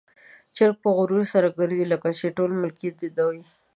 چرګ په غرور سره ګرځي، لکه چې ټول ملکيت د ده وي.